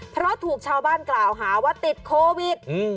เพราะถูกชาวบ้านกล่าวหาว่าติดโควิด